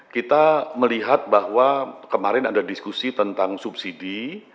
kita melihat bahwa kemarin ada diskusi tentang subsidi